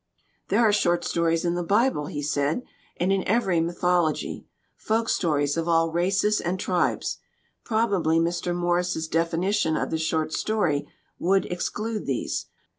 "There are short stories in the Bible," he said, "and in every mythology; 'folk stories' of all races and tribes. Probably Mr. Morris's defini tion of the short story would exclude these.